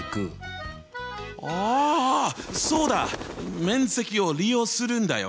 あそうだ！面積を利用するんだよ。